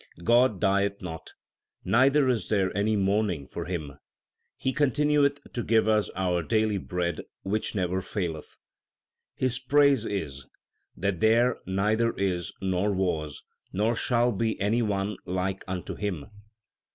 God dieth not, neither is there any mourning for Him ; He continueth to give us our daily bread which never faileth. His praise is that there neither is, Nor was, nor shall be any one like unto Him.